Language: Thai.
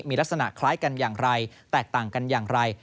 มีลักษณะคล้ายกันอย่างไรแตกต่างกันอย่างไร